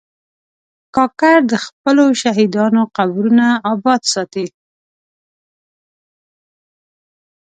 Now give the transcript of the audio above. کاکړ د خپلو شهیدانو قبرونه آباد ساتي.